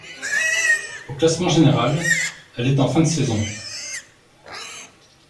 Au classement général, elle est en fin de saison.